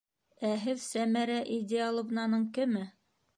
Ә һеҙ Сәмәрә Идеаловнаның кеме?